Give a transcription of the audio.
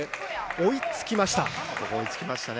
追いつきましたね。